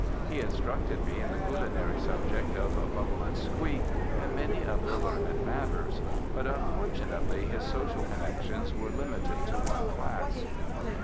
He instructed me in the culinary subject of "bubble and squeak" and many other learned matters; but unfortunately his social connections were limited to one class.